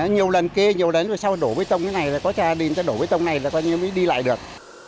nhiều lần kê nhiều lần sau đổ bê tông như thế này là có gia đình đổ bê tông này là coi như mới đi lại được